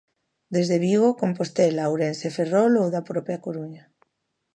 Desde Vigo, Compostela, Ourense, Ferrol ou da propia Coruña.